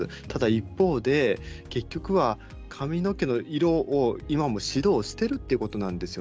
一方で結局は髪の毛の色を今も指導しているということなんです。